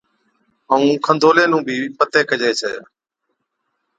ائُون کنڌولي نُون بِي پَتي ڪجي ڇَي